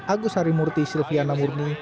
agus harimurti silviana murni